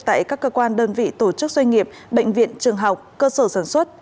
tại các cơ quan đơn vị tổ chức doanh nghiệp bệnh viện trường học cơ sở sản xuất